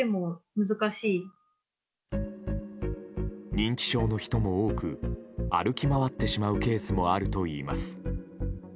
認知症の人も多く歩き回ってしまうケースもあるといいます。